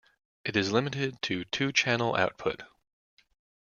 It is limited to two-channel output.